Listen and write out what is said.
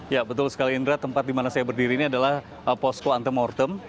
ya betul sekali indra tempat di mana saya berdiri ini adalah posko antemortem